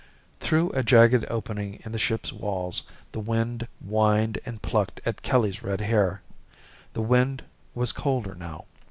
Through a jagged opening in the ship's walls, the wind whined and plucked at Kelly's red hair. The wind was colder now.